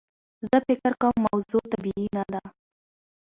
زه فکر کوم موضوع طبیعي نده.